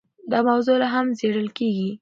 دا موضوع لا هم څېړل کېږي.